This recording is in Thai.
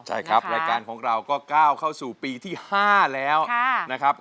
ใช่ครับรายการของเราก็ก้าวเข้าสู่ปีที่๕แล้วนะครับ